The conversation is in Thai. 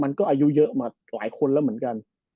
มันก็อายุเยอะมาหลายคนแล้วเหมือนกัน